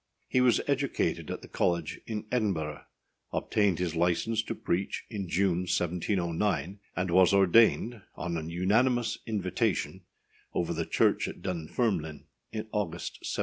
He was educated at the college in Edinburgh, obtained his licence to preach in June, 1709, and was ordained, on an unanimous invitation, over the church at Dunfermline in August, 1711.